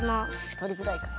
とりづらいかな。